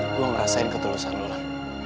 gue ngerasain ketulusan lo lah